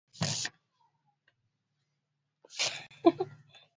Serikali inaendelea kuzikaribisha Kampuni za mafuta na gesi asilia